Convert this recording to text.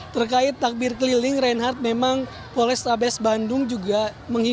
terkait takbir keliling renhard memang polestabes bandung juga menghimat